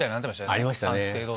ありましたね。